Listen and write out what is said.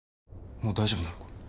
もう大丈夫なのか？